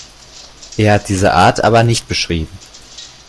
Er hat diese Art aber nicht beschrieben.